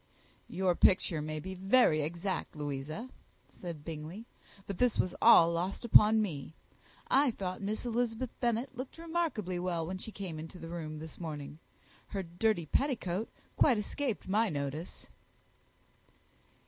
"Your picture may be very exact, Louisa," said Bingley; "but this was all lost upon me. I thought Miss Elizabeth Bennet looked remarkably well when she came into the room this morning. Her dirty petticoat quite escaped my notice."